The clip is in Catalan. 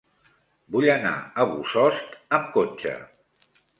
Vull anar a Bossòst amb cotxe.